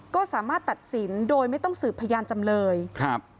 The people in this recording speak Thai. ก็สามารถตัดสินโดยไม่ต้องสืบพยานจำเลยครับ